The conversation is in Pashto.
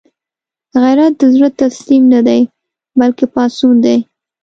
غیرت د زړه تسلیم نه دی، بلکې پاڅون دی